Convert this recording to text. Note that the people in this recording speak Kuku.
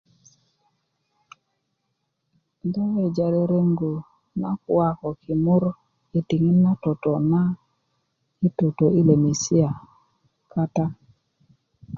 do weweja rereŋgu na kuwa ko kimur i diŋit na toto na i toto i lemesia kata